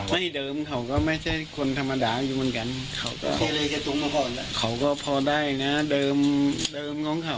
เดิมเขาก็ไม่ใช่คนธรรมดาอยู่เหมือนกันเขาก็พอได้นะเดิมของเขา